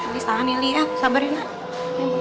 lihat sabarin lah